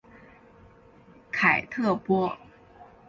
凯特波。